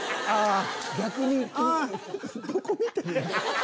ああ